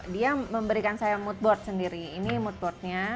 dia memberikan saya mood board sendiri ini mood boardnya